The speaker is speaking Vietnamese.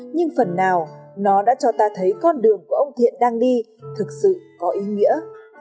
nhưng phần nào nó đã cho ta thấy con đường của ông thiện đang đi thực sự có ý nghĩa